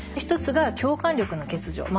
１つが共感力の欠如。